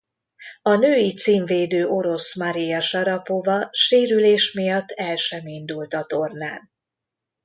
A női címvédő orosz Marija Sarapova sérülés miatt el sem indult a tornán.